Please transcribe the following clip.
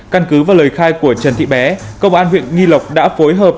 căn cứ và lời khai của trần thị bé công an huyện nghi lộc đã phối hợp